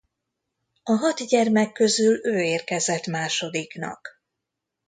A hat gyermek közül ő érkezett másodiknak.